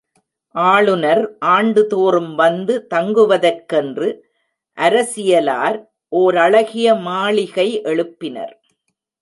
ஆளுநர் ஆண்டுதோறும் வந்து தங்குவதற்கென்று அரசியலார் ஓரழகிய மாளிகை எழுப்பினர்.